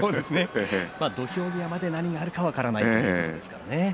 土俵際まで何があるか分からないということですからね。